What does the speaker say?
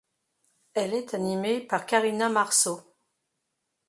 Elle est animée par Karina Marceau.